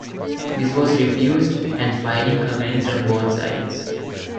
This was refused, and firing commenced on both sides.